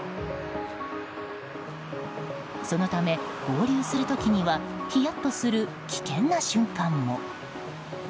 そのため、合流する時にはヒヤッとする危険な瞬間も。